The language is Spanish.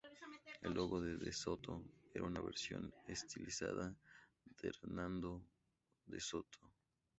El logo de DeSoto era una versión estilizada de Hernando de Soto.